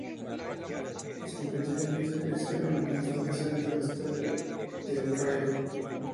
Las competiciones se realizaron en las instalaciones del Estadio de El Cairo.